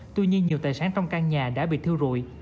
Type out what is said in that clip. tuy nhiên nhiều tài sản trong căn nhà đã bị thiêu rụi